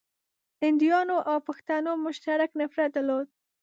هنديانو او پښتنو مشترک نفرت درلود.